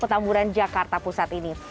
ketamburan jakarta pusat ini